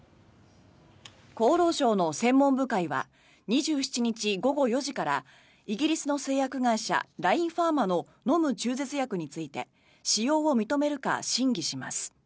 厚労省の専門部会は２７日午後４時からイギリスの製薬会社ラインファーマの飲む中絶薬について使用を認めるか審議します。